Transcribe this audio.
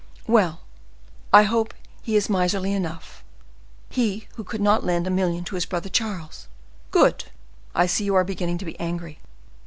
Well, I hope he is miserly enough, he who would not lend a million to his brother Charles! Good! I see you are beginning to be angry.